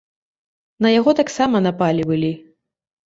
На яго таксама напалі былі.